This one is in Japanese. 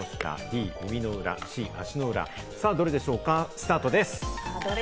スタートです。